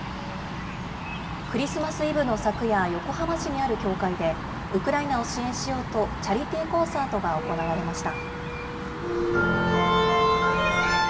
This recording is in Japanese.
クリスマスイブの昨夜、横浜市にある教会で、ウクライナを支援しようと、チャリティーコンサートが行われました。